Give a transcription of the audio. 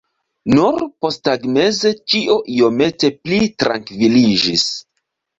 Nur posttagmeze ĉio iomete pli trankviliĝis.